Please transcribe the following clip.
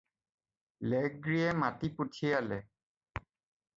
লেগ্ৰীয়ে মাতি পঠিয়ালে।